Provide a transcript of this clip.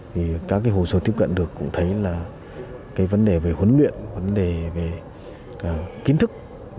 thì các cái hồ sơ tiếp cận được cũng thấy là cái vấn đề về huấn luyện vấn đề về kiến thức